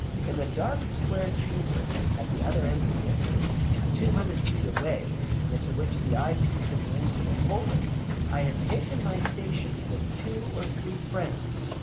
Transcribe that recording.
"In the dark, square chamber at the other end of the instrument, 200 feet away, into which the eyepiece of the instrument opened, I had taken my station with two or three friends.